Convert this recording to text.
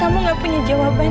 kamu gak punya jawaban